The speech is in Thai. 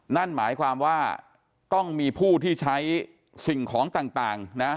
นั่นหมายความว่าต้องมีผู้ที่ใช้สิ่งของต่างนะ